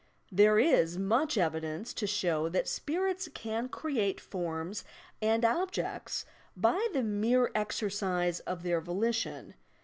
There is much evidence to show that spirits can create forms and objects by the mere exercise of their volition.